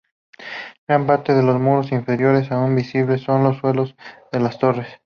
Gran parte de los muros inferiores aún visibles son los suelos de las torres.